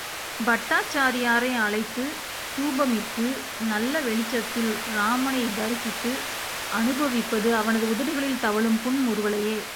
பட்டாச்சாரியரை அழைத்துத் தூபம் இட்டு நல்ல வெளிச்சத்தில் ராமனைச் தரிசித்து அனுப்விப்பது அவனது உதடுகளில் தவழும் புன்முறுவலையே.